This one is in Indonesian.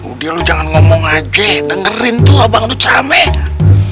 oke lo jangan ngomong aja dengerin tuh abangnya tercampur hadis ini saya mau omongin tentang soal